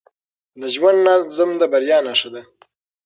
د ژوند نظم د بریا نښه ده.